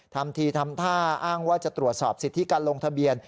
ทำทีทำท่าอ้างว่าจะตรวจสอบสิทธิการลงทะเบียน